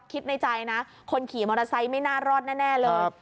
คิดในใจนะคนขี่มอเตอร์ไซค์ไม่น่ารอดแน่เลย